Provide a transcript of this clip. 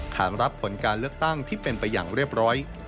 ฐานรับผลการเลือกตั้งที่เป็นไปอย่างเรียบร้อย